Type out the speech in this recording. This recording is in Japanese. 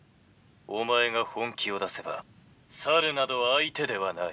お前が本気を出せば猿など相手ではない」。